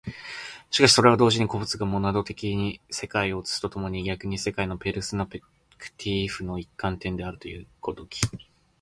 しかしてそれは同時に個物がモナド的に世界を映すと共に逆に世界のペルスペクティーフの一観点であるという如き、